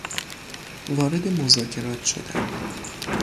وارد مذاکرات شدن